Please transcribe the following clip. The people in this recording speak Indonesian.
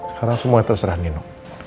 sekarang semuanya terserah nino